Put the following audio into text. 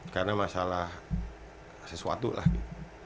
karena masalah sesuatu lagi